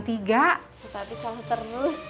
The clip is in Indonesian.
tapi selalu ternus